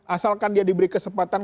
asalkan dia diberi kesempatan